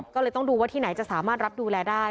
ก็เลยต้องดูว่าที่ไหนจะสามารถรับดูแลได้